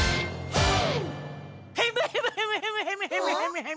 はい。